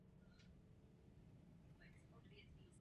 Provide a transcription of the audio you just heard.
Společně s López se v písni objevil i rapper Nas.